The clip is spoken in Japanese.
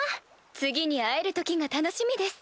次に会える時が楽しみです。